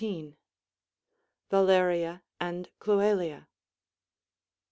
Valeria and Oloelia.